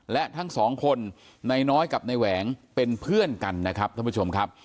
และทั้งสองคนนายน้อยกับนายแหวงเป็นเพื่อนกันนะครับท่านผู้ชมครับ